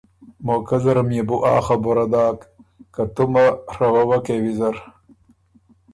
موقع زرم يې بو آ خبُره داک که تُومه ڒوه وکې ویزر۔